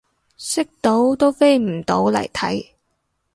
識到都飛唔到嚟睇